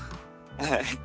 はい。